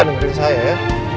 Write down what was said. dengerin saya ya